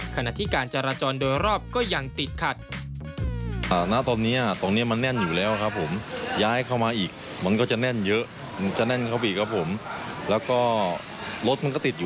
ขณะที่การจราจรโดยรอบก็ยังติดขัด